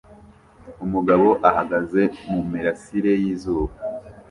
Umugabo ahagaze mumirasire yizuba